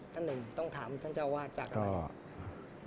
ท่านหนึ่งต้องถามท่านเจ้าวาดจากอะไร